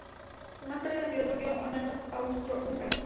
Más tarde, la ciudad volvió a manos austrohúngaras.